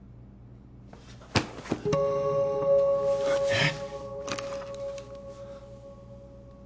えっ？